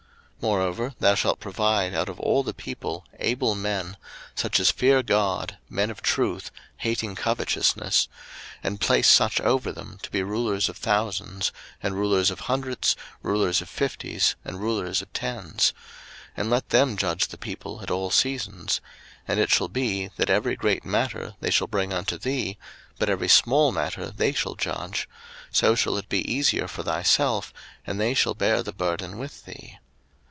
02:018:021 Moreover thou shalt provide out of all the people able men, such as fear God, men of truth, hating covetousness; and place such over them, to be rulers of thousands, and rulers of hundreds, rulers of fifties, and rulers of tens: 02:018:022 And let them judge the people at all seasons: and it shall be, that every great matter they shall bring unto thee, but every small matter they shall judge: so shall it be easier for thyself, and they shall bear the burden with thee.